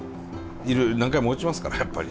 何回も落ちますからやっぱり。